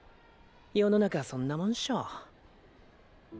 世の中そんなもんっしょ。